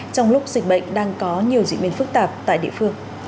trong lúc dịch bệnh đang có nhiều diễn biến phức tạp tại địa phương